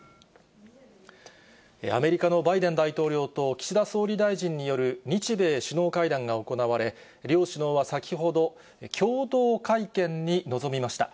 アメリカのバイデン大統領と岸田総理大臣による日米首脳会談が行われ、両首脳は先ほど、共同会見に臨みました。